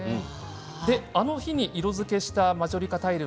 あの日に色づけしたマジョリカタイル